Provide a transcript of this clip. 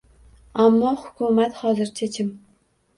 Ammo hukumat hozircha jim